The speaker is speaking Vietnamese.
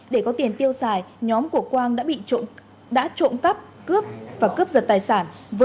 để có tiền tiêu xài nhóm của quang đã trộm cắp cướp và cướp giật tài sản